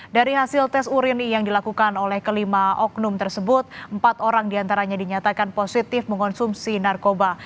dari hasil tes urin yang dilakukan oleh kelima oknum tersebut empat orang diantaranya dinyatakan positif mengonsumsi narkoba